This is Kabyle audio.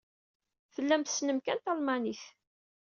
Tellam tessnem kan talmanit.